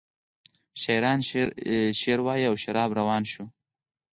شاعران شعرخواندند او شراب روان شو.